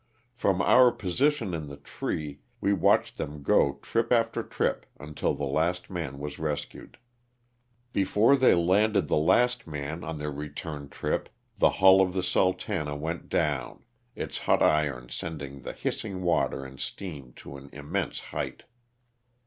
From our position in the tree we watched them go trip after trip until the last man was rescued. Before they landed the last man on their return trip the hull of the Sultana" went down, its hot irons sending the hissing water and steam to an immense height.